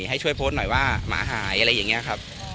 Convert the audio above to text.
ให้ช่วยโพสต์หน่อยว่าหมาหายอะไรอย่างนี้ครับ